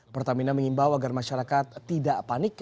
pertamina mengimbau agar masyarakat tidak panik